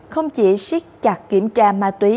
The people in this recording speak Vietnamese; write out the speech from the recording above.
không chỉ siết chặt kiểm tra ma túy